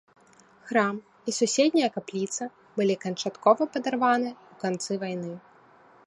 Храм і суседняя капліца былі канчаткова падарваны ў канцы вайны.